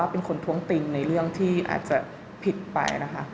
เป็นคนท้วงติงในเรื่องที่อาจจะผิดไปนะคะ